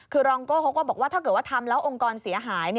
คือรองโก้เขาก็บอกว่าถ้าเกิดว่าทำแล้วองค์กรเสียหาย